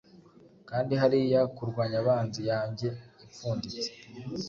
Kandi hariya kurwanya abanzi yanjye ipfunditse